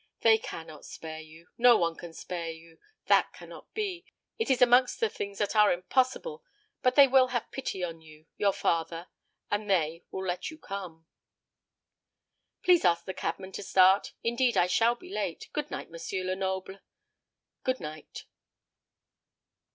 "They cannot spare you. No one can spare you. That cannot be. It is amongst the things that are impossible. But they will have pity upon your father, and they will let you come." "Please ask the cabman to start. Indeed, I shall be late. Good night, M. Lenoble." "Good night."